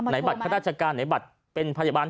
บัตรข้าราชการไหนบัตรเป็นพยาบาล